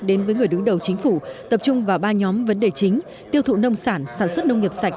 đến với người đứng đầu chính phủ tập trung vào ba nhóm vấn đề chính tiêu thụ nông sản sản xuất nông nghiệp sạch